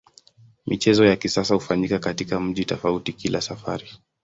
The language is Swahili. Michezo ya kisasa hufanyika katika mji tofauti kila safari.